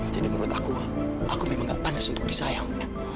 jadi menurut aku aku memang enggak pantas untuk disayang